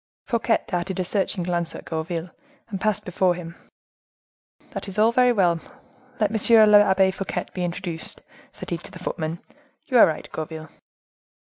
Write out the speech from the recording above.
Fouquet darted a searching glance at Gourville, and passing before him,—"That is all very well; let M. l'Abbe Fouquet be introduced," said he to the footman. "You are right, Gourville."